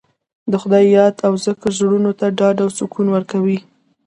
د خدای یاد او ذکر زړونو ته ډاډ او سکون ورکوي.